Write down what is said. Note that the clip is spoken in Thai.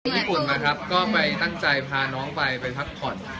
ญี่ปุ่นนะครับก็ไปตั้งใจพาน้องไปไปพักผ่อน